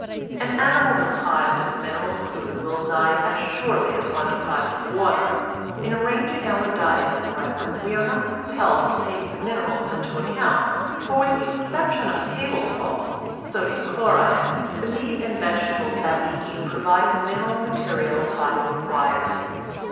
An animal deprived of mineral food will die as surely as one deprived of water. In arranging our diets, however, we are not compelled to take the minerals into account, for, with the exception of table salt (sodium chlorid), the meat and vegetables that we eat provide the mineral material the body requires.